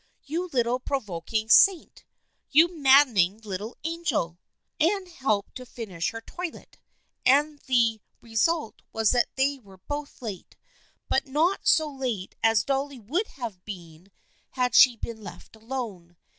You little provoking saint ! You maddening little angel !" Anne helped her to finish her toilet, and the re sult was that they were both late, but not so late as Dolly would have been had she been left alone.